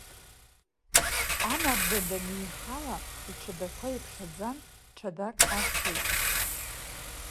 Амарда даныҩхала, иҽадақәа иԥхьаӡан, ҽадак агхеит.